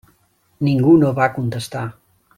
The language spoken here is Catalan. Ningú no va contestar.